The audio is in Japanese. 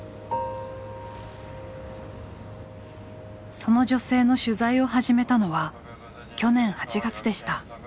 その女性の取材を始めたのは去年８月でした。